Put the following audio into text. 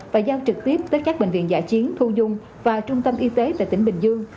và giao trực tiếp tới các bệnh viện giả chiến thu dung và trung tâm y tế tại tỉnh bình dương